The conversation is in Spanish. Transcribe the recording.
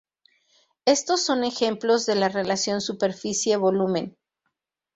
Estos son ejemplos de la Relación Superficie-Volumen.